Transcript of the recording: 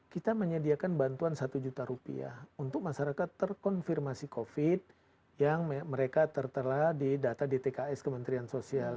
kita menyediakan bantuan satu juta rupiah untuk masyarakat terkonfirmasi covid yang mereka tertera di data dtks kementerian sosial